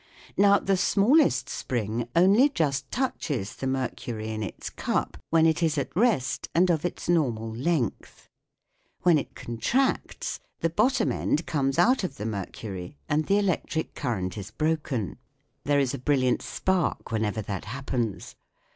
Now the smallest spring only just touches the mercury in its cup when it is at rest and of its normal length ; when it con tracts, the bottom end comes out of the mercury and the electric current is broken. There is a brilliant spark whenever that happens.